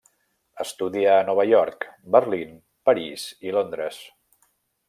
Estudià a Nova York, Berlín, París i Londres.